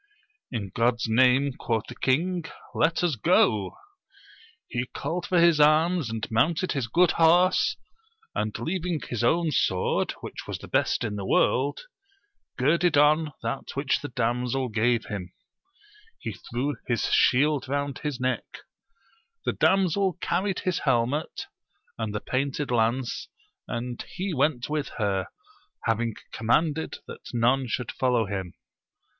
In God's name, quoth the king, let us go ! He called for his arms and mounted his good horse, and leaving his own sword, which was the best in the world, girded on that which the damsel gave him ; he threw his shield round his neck : the damsel carried his helmet and the painted lance, and he went with her, having conmianded that none should follow him.